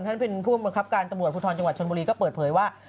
ท่านเป็นผู้บังคับการตำรวจภูทรจังหวัดชนบุรีก็เปิดเผยว่า